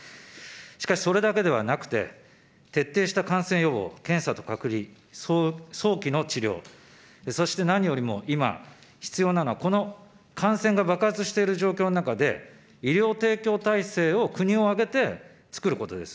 しかし、それだけではなくて、徹底した感染予防、検査と隔離、早期の治療、そして何よりも今、必要なのは、この感染が爆発している状況の中で、医療提供体制を国を挙げて作ることです。